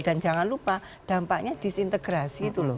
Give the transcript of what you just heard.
dan jangan lupa dampaknya disintegrasi